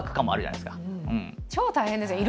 超大変ですね。